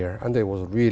và cũng về những người